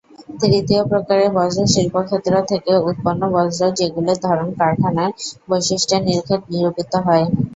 তৃতীয় প্রকারের বর্জ্য শিল্পক্ষেত্র থেকে উৎপন্ন বর্জ্য, যেগুলির ধরন কারখানার বৈশিষ্ট্যের নিরিখে নিরূপিত হয়।